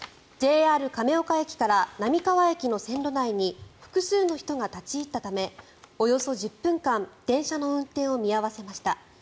ＪＲ亀岡駅から並河駅の線路内に複数の人が立ち入ったためおよそ１０分間電車の運転を見合わせました。